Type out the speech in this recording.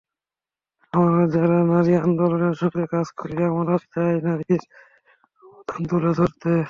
আমরা যাঁরা নারী আন্দোলনের সঙ্গে কাজ করি, আমরা চাই নারীর অবদান তুলে ধরতে।